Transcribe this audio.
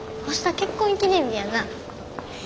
結婚記念日やな。